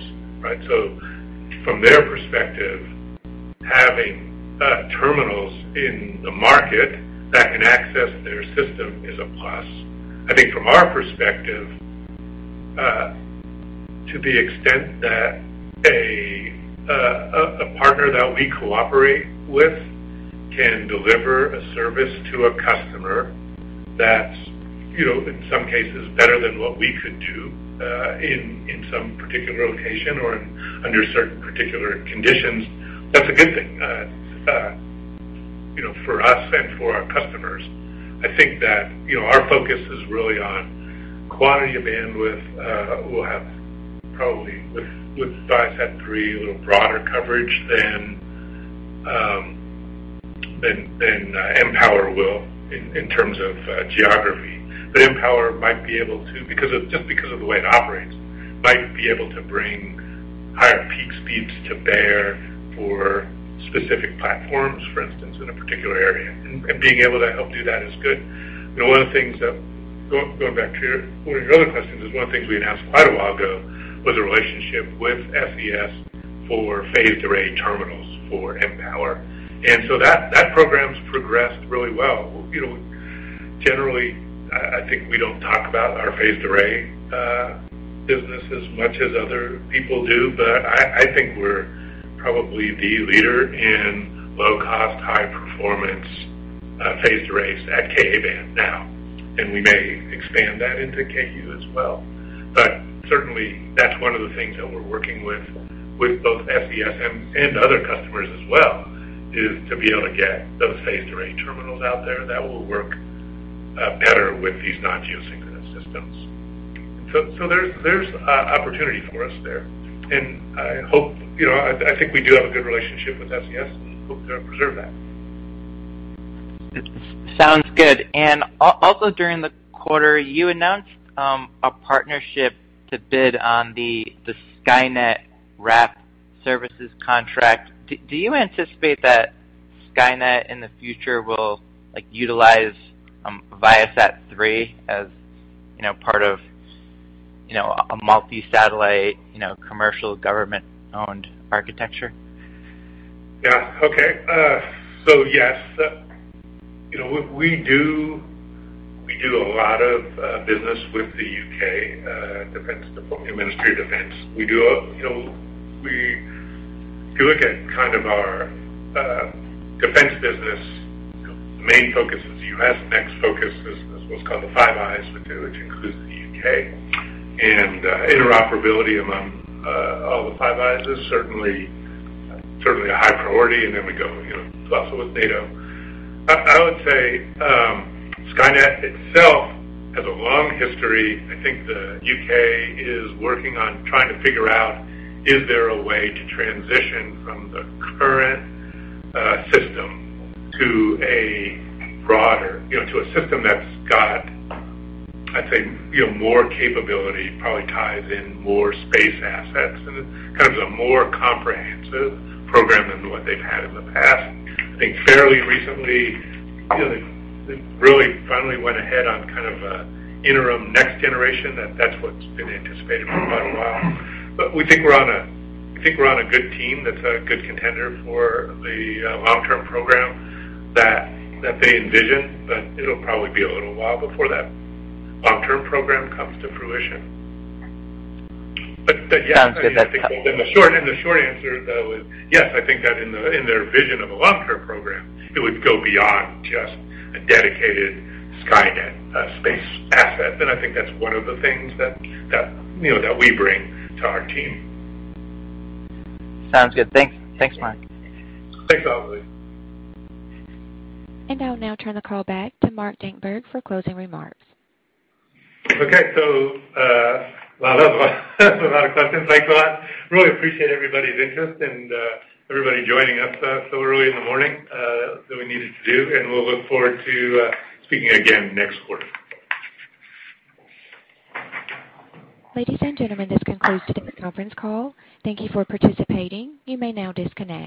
From their perspective, having terminals in the market that can access their system is a plus. I think from our perspective, to the extent that a partner that we cooperate with can deliver a service to a customer that's, in some cases, better than what we could do, in some particular location or under certain particular conditions, that's a good thing, for us and for our customers. I think that our focus is really on quantity of bandwidth. We'll have probably, with ViaSat-3, a little broader coverage than mPOWER will in terms of geography. mPOWER, just because of the way it operates, might be able to bring higher peak speeds to bear for specific platforms, for instance, in a particular area, and being able to help do that is good. Going back to one of your other questions is one of the things we announced quite a while ago was a relationship with SES for phased array terminals for mPOWER. That program's progressed really well. Generally, I think we don't talk about our phased array business as much as other people do, but I think we're probably the leader in low-cost, high-performance phased arrays at Ka-band now, and we may expand that into Ku as well. Certainly, that's one of the things that we're working with both SES and other customers as well, is to be able to get those phased array terminals out there that will work better with these non-geosynchronous systems. There's opportunity for us there, and I think we do have a good relationship with SES and hope to preserve that. It sounds good. Also during the quarter, you announced a partnership to bid on the SKYNET Wrap services contract. Do you anticipate that SKYNET in the future will utilize ViaSat-3 as part of a multi-satellite, commercial government-owned architecture? Yes, we do a lot of business with the UK Ministry of Defence. If you look at our defense business, the main focus is U.S., next focus is what's called the Five Eyes, which includes the U.K., and interoperability among all the Five Eyes is certainly a high priority, and then we go also with NATO. I would say SKYNET itself has a long history. I think the U.K. is working on trying to figure out is there a way to transition from the current system to a system that's got, I'd say, more capability, probably ties in more space assets, and it covers a more comprehensive program than what they've had in the past. I think fairly recently, they really finally went ahead on kind of a interim next-generation, and that's what's been anticipated for quite a while. We think we're on a good team that's a good contender for the long-term program that they envision, but it'll probably be a little while before that long-term program comes to fruition. Sounds good. The short answer, though, is yes, I think that in their vision of a long-term program, it would go beyond just a dedicated SKYNET space asset. I think that's one of the things that we bring to our team. Sounds good. Thanks, Mark. Thanks, Louie. I'll now turn the call back to Mark Dankberg for closing remarks. A lot of questions, I thought. Really appreciate everybody's interest and everybody joining us so early in the morning that we needed to do, and we'll look forward to speaking again next quarter. Ladies and gentlemen, this concludes today's conference call. Thank you for participating. You may now disconnect.